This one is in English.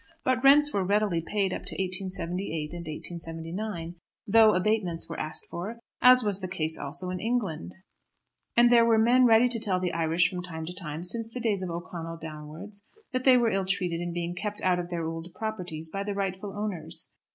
But rents were readily paid up to 1878 and 1879; though abatements were asked for, as was the case also in England; and there were men ready to tell the Irish from time to time, since the days of O'Connell downwards, that they were ill treated in being kept out of their "ould" properties by the rightful owners.